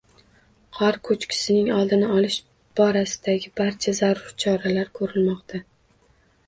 Qor ko‘chkisining oldini olish borasida barcha zarur choralar ko‘rilmoqda